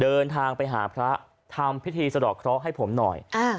เดินทางไปหาพระทำพิธีสะดอกเคราะห์ให้ผมหน่อย